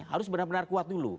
harus benar benar kuat dulu